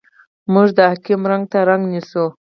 موږ د حاکم رنګ ته رنګ نیسو.